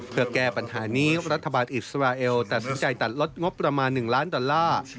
เพื่อแก้ปัญหานี้รัฐบาลอิสราเอลตัดสินใจตัดลดงบประมาณ๑ล้านดอลลาร์